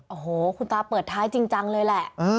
โอ้โหคุณตาเปิดท้ายจริงจังเลยแหละ